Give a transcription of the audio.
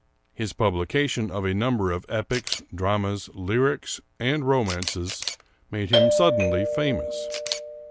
His publication of a number of epics, dramas, lyrics, and romances made him suddenly famous.